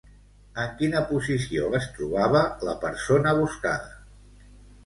En quina posició es trobava la persona buscada?